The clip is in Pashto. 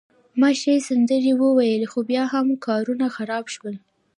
ما ښې سندرې وویلي، خو بیا هم کارونه خراب شول.